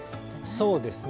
そうですね。